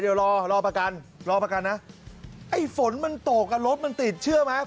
เดี๋ยวรอรอประกันรอประกันนะไอ้ฝนมันตกอ่ะรถมันติดเชื่อไหม